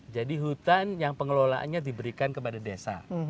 jadi hutan yang pengelolaannya diberikan kepada desa